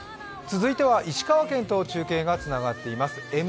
続いては石川県と中継がつながっています。